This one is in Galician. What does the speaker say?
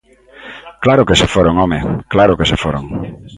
¡Claro que se foron, home, claro que se foron!